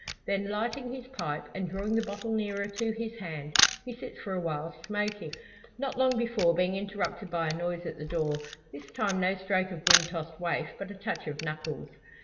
Then lighting his pipe, and drawing the bottle nearer to his hand, he sits for a while smoking. Not long before being interrupted by a noise at the door; this time no stroke of wind tossed waif, but a touch of knuckles.